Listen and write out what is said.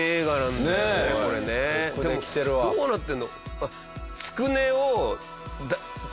でもどうなってんの。